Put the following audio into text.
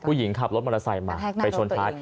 ผู้หญิงขับรถมอเตอร์ไซค์มาไปชนท้าย